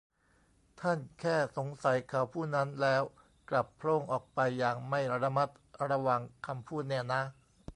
ท่านแค่สงสัยเขาผู้นั้น แล้วกลับโพล่งออกไปอย่างไม่ระมัดระวังคำพูดเนี่ยนะ